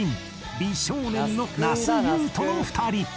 美少年の那須雄登の２人